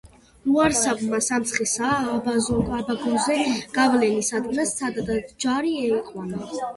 ლუარსაბმა სამცხე-სააᲗაბაგოზე გავლენის ადგენს სცადა და ჯარი Შეიყვანა.